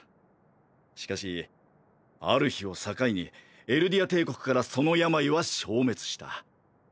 しかしある日を境にエルディア帝国からその病は消滅した。